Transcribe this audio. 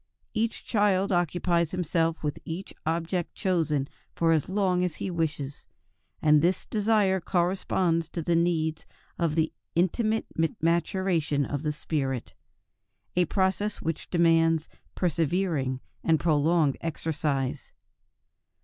Each child occupies himself with each object chosen for as long as he wishes; and this desire corresponds to the needs of the intimate maturation of the spirit, a process which demands persevering and prolonged exercise.